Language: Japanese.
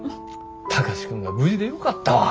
貴司君が無事でよかったわ。